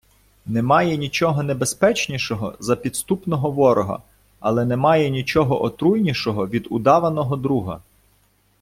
Немає нічого небезпечнішого за підступного ворога, але немає нічого отруйнішого від удаваного друга.